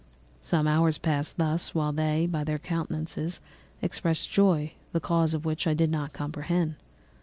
Some hours passed thus, while they, by their countenances, expressed joy, the cause of which I did not comprehend.